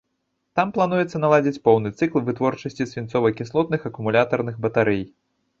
Там плануецца наладзіць поўны цыкл вытворчасці свінцова-кіслотных акумулятарных батарэй.